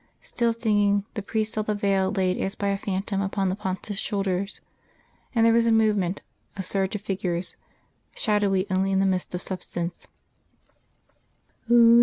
Still singing, the priest saw the veil laid as by a phantom upon the Pontiff's shoulders; there was a movement, a surge of figures shadows only in the midst of substance, _...